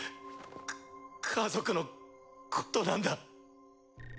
か家族のことなんだ。